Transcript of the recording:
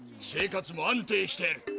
生活も安定している。